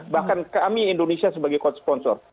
bahkan kami indonesia sebagai coach sponsor